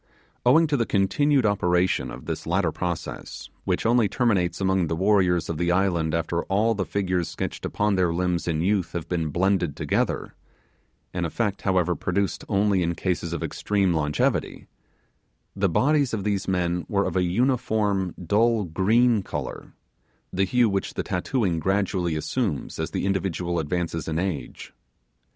Owing to the continued operation of this latter process, which only terminates among the warriors of the island after all the figures stretched upon their limbs in youth have been blended together an effect, however, produced only in cases of extreme longevity the bodies of these men were of a uniform dull green colour the hue which the tattooing gradually assumes as the individual advances in age.